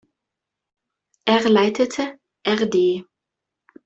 Er leitete rd.